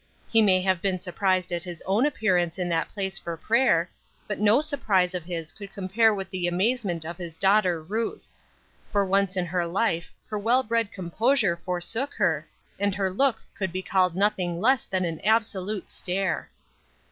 He may have been surprised at his own appearance in that place for prayer, but no surprise of his could compare with the amazement of his daughter Ruth. For once in her life her well bred composure forsook her, and her look could be called nothing less than an absolute stare.